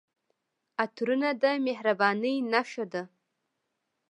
عطرونه د مهربانۍ نښه ده.